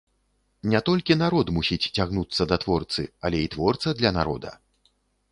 Не толькі народ мусіць цягнуцца да творцы, але і творца для народа.